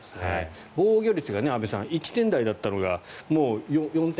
防御率が１点台だったのが４点？